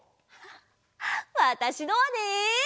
わたしのはね。